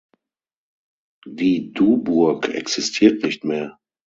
Die Duburg existiert nicht mehr.